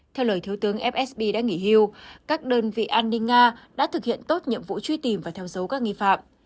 theo lời thiếu tướng fsb đã nghỉ hưu các đơn vị an ninh nga đã thực hiện tốt nhiệm vụ truy tìm và theo dấu các nghi phạm